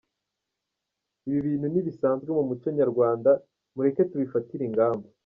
ibibintu ntibisanzwe mu muco nyarwanda mureke tubifatire ingamba.